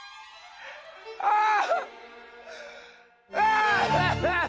ああ！